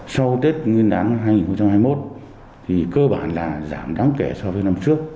sau tết nguyên đán hai nghìn hai mươi một thì cơ bản là giảm đáng kể so với năm trước